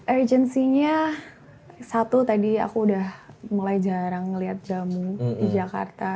urgensinya satu tadi aku udah mulai jarang ngeliat jamu di jakarta